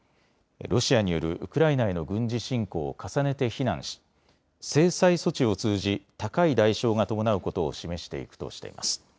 ロシアによるウクライナへの軍事侵攻を重ねて非難し制裁措置を通じ高い代償が伴うことを示していくとしています。